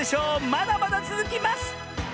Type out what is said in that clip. まだまだつづきます！